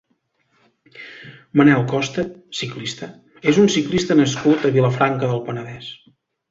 Manel Costa (ciclista) és un ciclista nascut a Vilafranca del Penedès.